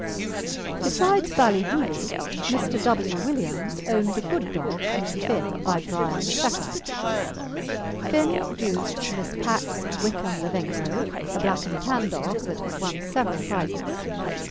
Besides Ballyhooley, Mr. W. Williams owned a good dog in Finn by Brian II. Finn produced Miss Packe's Wickham Lavengro, a black and tan dog that has won several prizes.